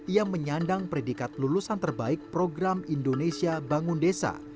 ia menyandang predikat lulusan terbaik program indonesia bangun desa